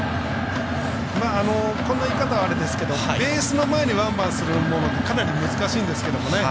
こんな言い方はあれですけどベースの前にワンバンするものってかなり難しいんですけどね。